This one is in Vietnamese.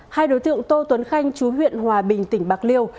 hai đối tượng tô tuấn khanh chú huyện hòa bình tỉnh bạc liêu